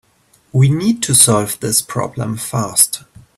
We need to solve this problem fast.